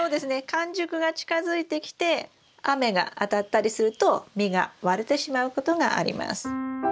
完熟が近づいてきて雨が当たったりすると実が割れてしまうことがあります。